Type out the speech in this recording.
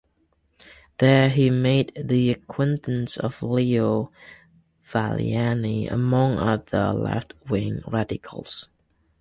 There he made the acquaintance of Leo Valiani, among other left-wing radicals.